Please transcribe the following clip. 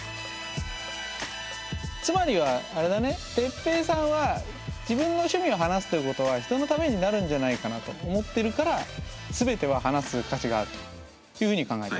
つまりはあれだねてっぺいさんは自分の趣味を話すということは人のためになるんじゃないかなと思ってるから全ては話す価値があるというふうに考えてる？